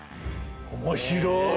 面白い！